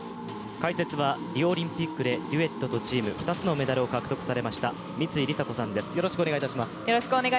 解説はリオオリンピックでデュエットとチーム２つのメダルを獲得されました三井梨紗子さんです、よろしくお願いいたします。